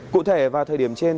cụ thể vào thời điểm trên